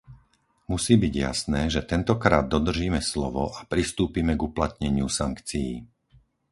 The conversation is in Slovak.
Musí byť jasné, že tentokrát dodržíme slovo a pristúpime k uplatneniu sankcií.